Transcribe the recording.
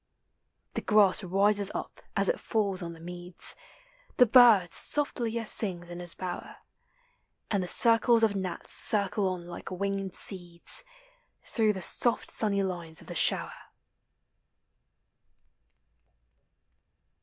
The grass rises up as it falls on the meads, The bird softlier sings in his bower, And the circles of gnats circle od like Ringed sreds Through thesofl sunny line* of the shower.